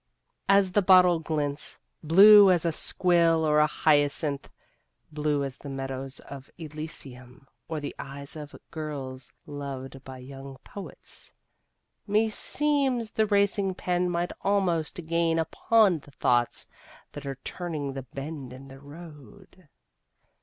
As the bottle glints, blue as a squill or a hyacinth, blue as the meadows of Elysium or the eyes of girls loved by young poets, meseems the racing pen might almost gain upon the thoughts that are turning the bend in the road.